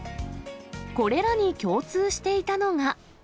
これらに共通していたのが。